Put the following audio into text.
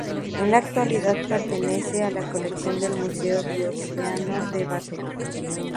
En la actualidad pertenece a la colección del Museo Diocesano de Barcelona.